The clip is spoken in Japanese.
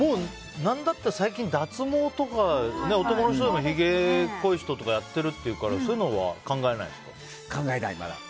なんだったら最近、脱毛とか男の人でもひげが濃い人とかやってるっていうからそういうのは考えないんですか？